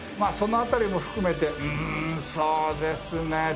その辺りも含めてうーんそうですね。